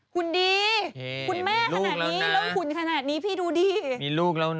คุณดีคุณแม่ขนาดนี้เรังขุนขนาดนี้พี่ดูดิคุณดี